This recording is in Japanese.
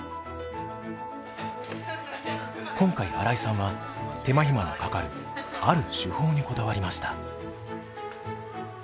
今回新井さんは手間暇のかかるある手法にこだわりました。